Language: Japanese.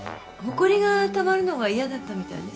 埃がたまるのが嫌だったみたいです。